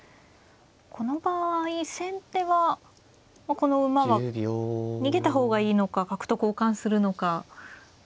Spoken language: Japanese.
この場合先手はこの馬は逃げた方がいいのか角と交換するのか。